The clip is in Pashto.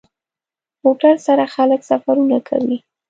موټر سره خلک سفرونه کوي.